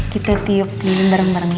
kita tiup lilin bareng bareng ya